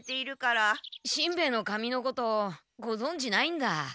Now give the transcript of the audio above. しんべヱの髪のことごぞんじないんだ。